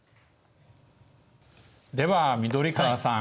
では緑川さん